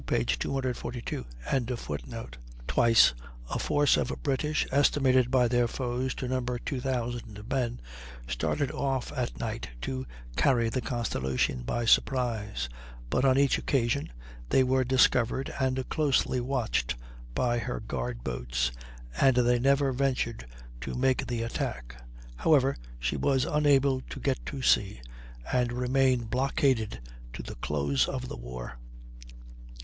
] Twice, a force of British, estimated by their foes to number 2,000 men, started off at night to carry the Constellation by surprise; but on each occasion they were discovered and closely watched by her guard boats, and they never ventured to make the attack. However, she was unable to get to sea, and remained blockaded to the close of the war.